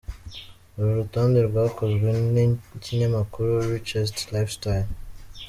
Uru rutonde rwakozwe n’ikinyamakuru Richest Lifestyle.